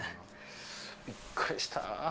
びっくりした。